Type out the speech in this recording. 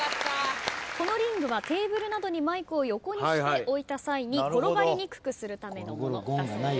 このリングはテーブルなどにマイクを横にして置いた際に転がりにくくするためのもの。